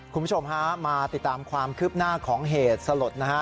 คุณผู้ชมฮะมาติดตามความคืบหน้าของเหตุสลดนะฮะ